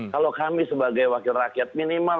kalau kami sebagai wakil rakyat minimal